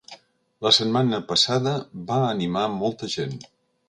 La setmana passada va animar molta gent.